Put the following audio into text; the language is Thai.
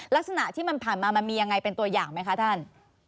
ลักษณะที่มันผ่านมามันมียังไงเป็นตัวอย่างไหมคะท่าน